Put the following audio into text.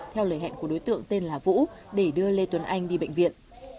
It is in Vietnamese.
theo lời hẹn của đối tượng tên là vũ để đưa lê tuấn anh đi bệnh viện